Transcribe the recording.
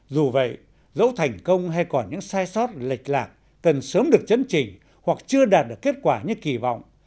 dù vậy dẫu thành công hay còn những sai sót lệch lạc cần sớm được chấn chỉnh hoặc chưa đạt được kết quả như kỳ vọng